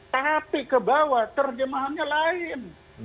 tapi ke bawah terjemahannya lain